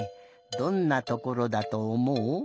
どんなところだとおもう？